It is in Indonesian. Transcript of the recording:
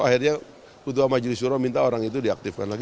akhirnya ketua majelis juro minta orang itu diaktifkan lagi